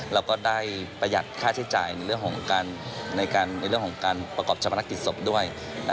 แล้วก็ได้ประหยัดค่าใช้จ่ายในเรื่องของการประกอบชะพนักกิจศพด้วย